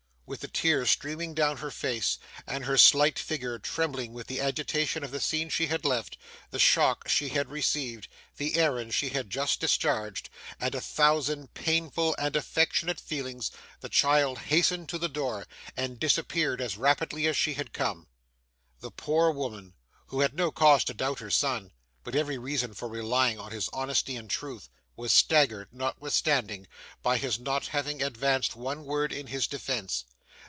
With the tears streaming down her face, and her slight figure trembling with the agitation of the scene she had left, the shock she had received, the errand she had just discharged, and a thousand painful and affectionate feelings, the child hastened to the door, and disappeared as rapidly as she had come. The poor woman, who had no cause to doubt her son, but every reason for relying on his honesty and truth, was staggered, notwithstanding, by his not having advanced one word in his defence.